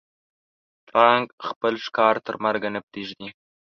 پړانګ خپل ښکار تر مرګه نه پرېږدي.